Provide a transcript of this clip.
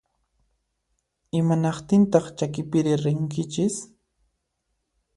Imanaqtintaq chakipiri rinkichis?